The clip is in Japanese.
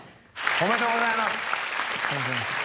ありがとうございます。